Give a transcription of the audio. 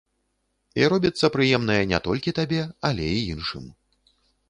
І робіцца прыемнае не толькі табе, але і іншым.